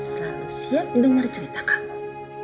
selalu siap dengar cerita kamu